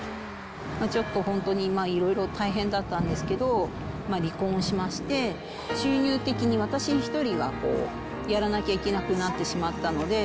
ちょっと本当にいろいろ大変だったんですけど、離婚をしまして、収入的に私一人でやらなきゃいけなくなってしまったので。